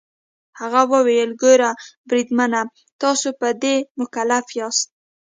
هغه وویل: ګوره بریدمنه، تاسي په دې مکلف یاست.